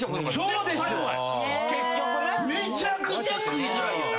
めちゃくちゃ食いづらいよな。